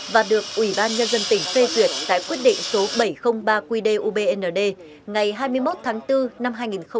và được ủy ban nhân dân tỉnh phê tuyệt tại quyết định số bảy trăm linh ba qd ubnd ngày hai mươi một tháng bốn năm hai nghìn hai mươi ba